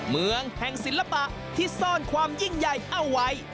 เมืองแห่งศิลปะที่ซ่อนความยิ่งใหญ่เอาไว้